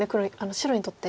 白にとって。